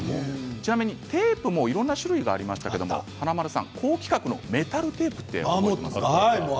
ちなみにテープもいろんな種類がありましたけれど、華丸さん高規格のメタルテープ。